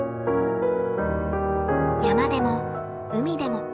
山でも海でも。